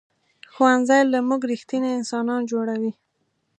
ښوونځی له موږ ریښتیني انسانان جوړوي